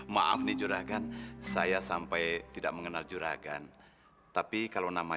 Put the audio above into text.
maaf nih juragan saya sampai tidak mengenal juragan tapi kalau nama